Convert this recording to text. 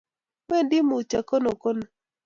wendi mutyo konokono.